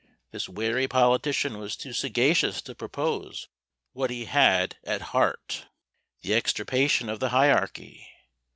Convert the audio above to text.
This wary politician was too sagacious to propose what he had at heart the extirpation of the hierarchy!